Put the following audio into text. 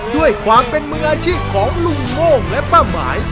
ด้วยความเป็นมืออาชีพของลุงโม่งและป้าหมาย